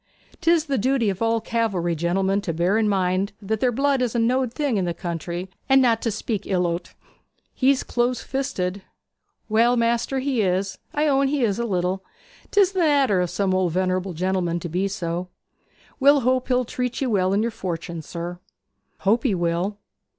'Tis the duty of all cavalry gentlemen to bear in mind that their blood is a knowed thing in the country, and not to speak ill o't.' 'He's close fisted.' 'Well, maister, he is I own he is a little. 'Tis the nater of some old venerable gentlemen to be so. We'll hope he'll treat ye well in yer fortune, sir.' 'Hope he will.